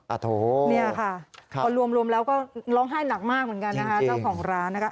โอ้โหเนี่ยค่ะพอรวมแล้วก็ร้องไห้หนักมากเหมือนกันนะคะเจ้าของร้านนะคะ